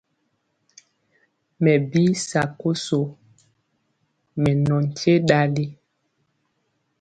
Mɛ bi sakoso, mɛ nɔ nkye ɗali.